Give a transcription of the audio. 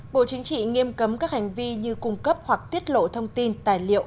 bộ chính trị nghiêm cấm các hành vi như cung cấp hoặc tiết lộ thông tin tài liệu